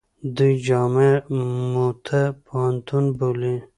دوی جامعه موته پوهنتون بولي.